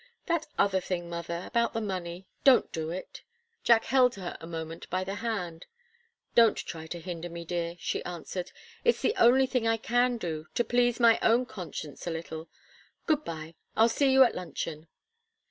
"That other thing, mother about the money don't do it!" Jack held her a moment by the hand. "Don't try to hinder me, dear," she answered. "It's the only thing I can do to please my own conscience a little. Good bye. I'll see you at luncheon."